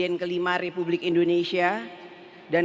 dan sekali lagi saya ingin mengucapkan salam sejahtera kepada anda